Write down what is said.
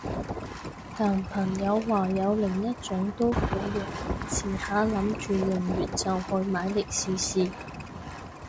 但朋友話有另一種都好用，遲下諗住用完就去買嚟試試